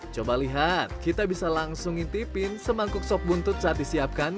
coba lihat kita bisa langsung ngintipin semangkuk sop buntut saat disiapkan